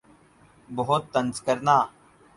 بَہُت طنز کرنا